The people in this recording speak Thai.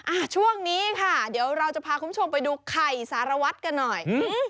อ่าช่วงนี้ค่ะเดี๋ยวเราจะพาคุณผู้ชมไปดูไข่สารวัตรกันหน่อยอืม